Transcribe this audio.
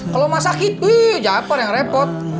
kalau mau sakit wih jafar yang repot